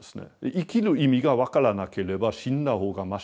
生きる意味が分からなければ死んだほうがましだろうと。